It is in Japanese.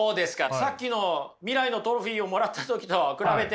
さっきの未来のトロフィーをもらった時と比べて。